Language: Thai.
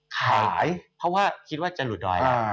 ขายเพราะว่าคิดว่าจะหลุดดอย